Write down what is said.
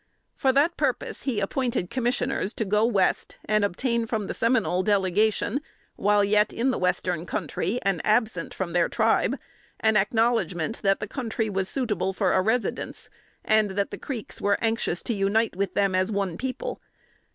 For that purpose he appointed commissioners to go west and obtain from the Seminole delegation, while yet in the western country, and absent from the tribe, an acknowledgment that the country was suitable for a residence, and that the Creeks were anxious to unite with them as one people.